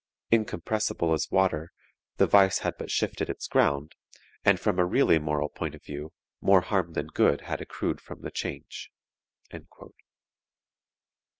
Incompressible as water, the vice had but shifted its ground, and from a really moral point of view, more harm than good had accrued from the change."